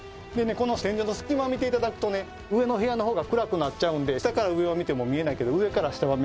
この天井の隙間見ていただくとね上の部屋の方が暗くなるんで下から上を見ても見えないけど上から下は見やすいっていう状態。